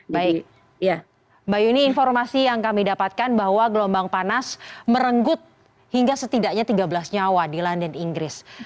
baik mbak yuni informasi yang kami dapatkan bahwa gelombang panas merenggut hingga setidaknya tiga belas nyawa di london inggris